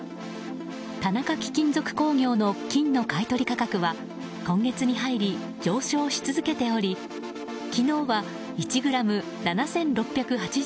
田中貴金属工業の金の買い取り価格は今月に入り、上昇し続けており昨日は１ｇ７６８７円。